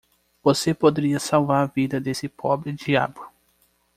Você poderia salvar a vida desse pobre diabo.